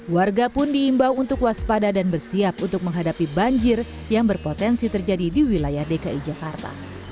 warga pun diimbau untuk waspada dan bersiap untuk menghadapi banjir yang berpotensi terjadi di wilayah dki jakarta